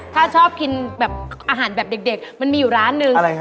ถ้าชอบกินแบบอาหารแบบเด็กมันมีอยู่ร้านนึง